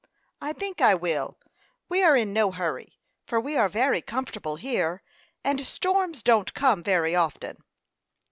"I think I will. We are in no hurry, for we are very comfortable here, and storms don't come very often."